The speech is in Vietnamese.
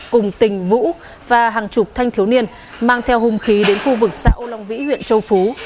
cùng tình vũ và hàng chục thanh thiếu niên mang theo hùng khí đến khu vực xã âu long vĩ huyện châu phú